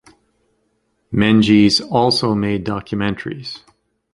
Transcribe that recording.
Menges also made documentaries.